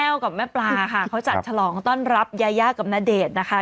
กับแม่ปลาค่ะเขาจัดฉลองต้อนรับยายากับณเดชน์นะคะ